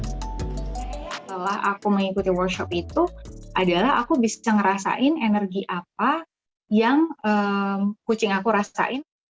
setelah aku mengikuti workshop itu adalah aku bisa ngerasain energi apa yang kucing aku rasain